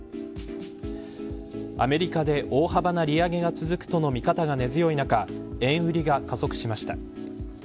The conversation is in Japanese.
アメリカで大幅な利上げが続くとの見方が根強い中円売りが加速しました。